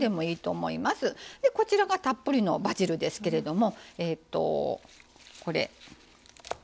こちらがたっぷりのバジルですけれどもえっとこれ。